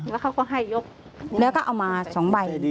แล้วเขาก็ให้ยกแล้วก็เอามา๒ใบ